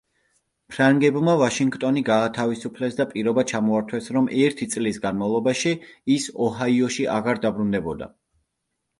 ფრანგებმა ვაშინგტონი გაათავისუფლეს და პირობა ჩამოართვეს რომ ერთი წლის განმავლობაში ის ოჰაიოში აღარ დაბრუნდებოდა.